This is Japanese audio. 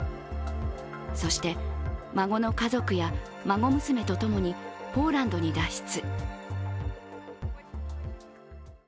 そして、孫の家族や孫娘と共にポーランドに脱出。